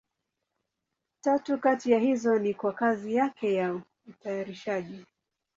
Tatu kati ya hizo ni kwa kazi yake ya utayarishaji.